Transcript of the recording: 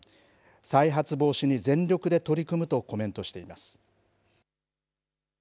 再発防止に全力で取り組むとコメントしています。